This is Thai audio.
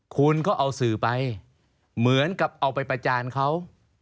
คุณก็เอาสื่อไปเหมือนกับเอาไปประจานเขา